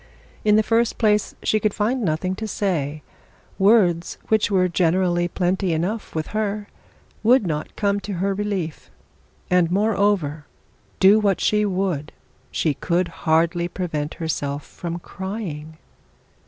In the first place she could find nothing to say; words, which were generally plenty enough with her, would not come to her relief. And, moreover, do what she could, she could hardly prevent herself from crying.